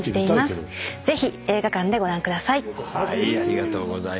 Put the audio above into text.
ぜひ映画館でご覧ください。